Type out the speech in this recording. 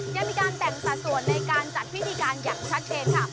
ยังมีการแบ่งสัดส่วนในการจัดพิธีการอย่างชัดเจนค่ะ